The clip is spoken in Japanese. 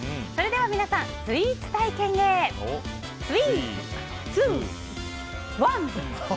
それでは皆さん、スイーツ体験へスイー、ツー、ワン！